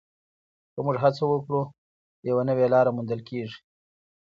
که موږ هڅه وکړو، یوه نوې لاره موندل کېږي.